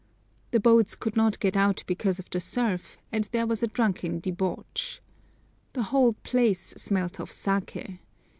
The boats could not get out because of the surf, and there was a drunken debauch. The whole place smelt of saké.